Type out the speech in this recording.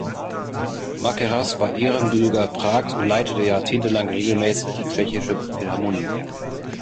Mackerras war Ehrenbürger Prags und leitete jahrzehntelang regelmäßig die Tschechische Philharmonie.